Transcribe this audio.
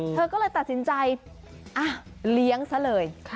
เธอก็เลยตัดสินใจเลี้ยงซะเลย